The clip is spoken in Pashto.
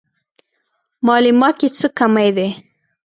مالې ما کې څه کمی دی.